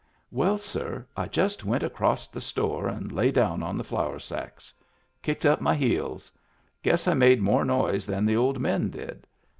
Well, sir, I just went acrost the store and lay down on the flour sacks. Kicked up my heels. Guess I made more noise than the old men did.